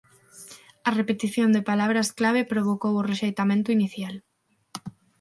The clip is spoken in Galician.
A repetición de palabras clave provocou o rexeitamento inicial.